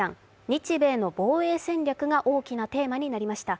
日米の防衛戦略が大きなテーマになりました。